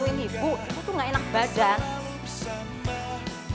bukan ke pasar tradisional